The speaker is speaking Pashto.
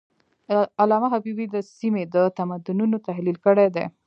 علامه حبيبي د سیمې د تمدنونو تحلیل کړی دی.